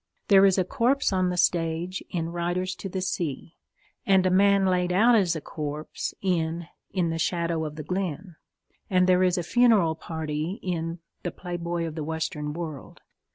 There is a corpse on the stage in Riders to the Sea, and a man laid out as a corpse in In the Shadow of the Glen, and there is a funeral party in _The Playboy of the Western World.